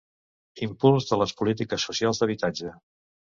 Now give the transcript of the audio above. Impuls de les polítiques socials d'habitatge.